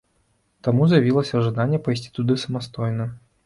Таму з'явілася жаданне пайсці туды самастойна.